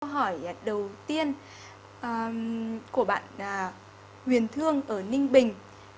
câu hỏi đầu tiên của bạn huyền thương ở ninh bình